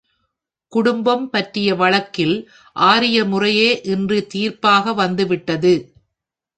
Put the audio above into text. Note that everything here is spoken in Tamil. குடும்பம் பற்றிய வழக்கில் ஆரிய முறையே இன்று தீர்ப்பாக வந்துவிட்டது.